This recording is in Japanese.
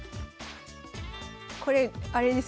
これあれです